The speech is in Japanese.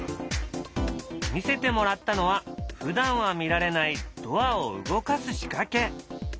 見せてもらったのはふだんは見られないドアを動かす仕掛け。